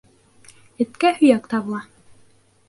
Эткә һөйәк табыла.